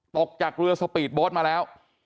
ตกจากเรือสปีดโบ๊ทมาแล้ว